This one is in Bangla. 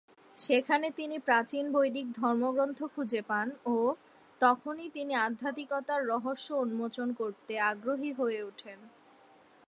সেখানে তিনি প্রাচীন বৈদিক ধর্মগ্রন্থ খুঁজে পান ও তখনই তিনি আধ্যাত্মিকতার রহস্য উন্মোচন করতে আগ্রহী হয়ে ওঠেন।